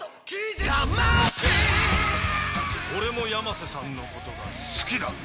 俺も山瀬さんのことが好きだ！